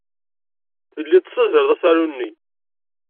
Tellid tessazzaled asaru-nni.